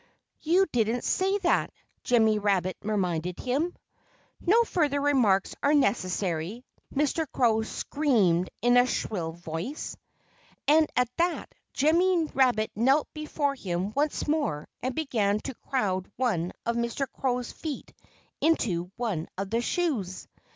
"You didn't say that," Jimmy Rabbit reminded him. "No further remarks are necessary," Mr. Crow screamed in a shrill voice. And at that Jimmy Rabbit knelt before him once more and began to crowd one of Mr. Crow's feet into one of the shoes.